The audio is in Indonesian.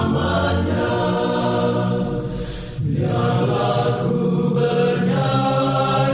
bahagia dan terang dan amali